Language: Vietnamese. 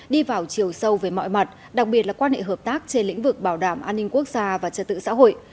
đi vào chiều sâu về mọi mặt đặc biệt là quan hệ hợp tác trên lĩnh vực bảo đảm an ninh quốc gia và trật tự xã hội